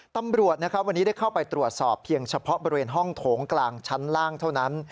ตำรวจนะครับวันนี้ได้เข้าไปตรวจสอบเพียงเฉพาะบริเวณห้องโถงกลางชั้นล่างเท่านั้น